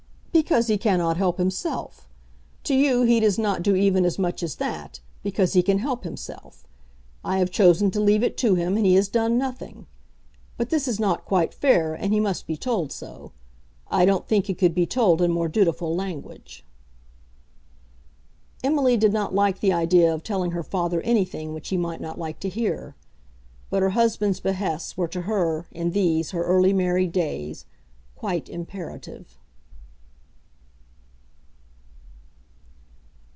"Because he cannot help himself. To you he does not do even as much as that, because he can help himself. I have chosen to leave it to him and he has done nothing. But this is not quite fair, and he must be told so. I don't think he could be told in more dutiful language." Emily did not like the idea of telling her father anything which he might not like to hear; but her husband's behests were to her in these, her early married days, quite imperative.